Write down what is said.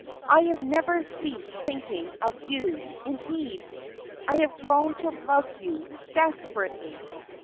I have never ceased thinking of you ; indeed, I have grown to love you desperately.